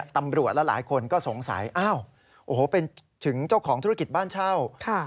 ตำรวจและหลายคนก็สงสัยเป็นเจ้าของธุรกิจบ้านเช่า